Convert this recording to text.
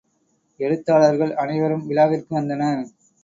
எழுத்தாளர்கள் அனைவரும் விழாவிற்கு வந்தனர்.